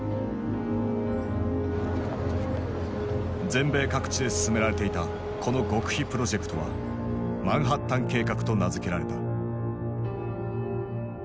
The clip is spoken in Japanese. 全米各地で進められていたこの極秘プロジェクトは「マンハッタン計画」と名付けられた。